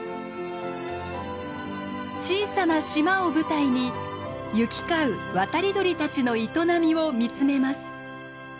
小さな島を舞台に行き交う渡り鳥たちの営みを見つめます。